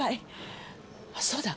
あっそうだ。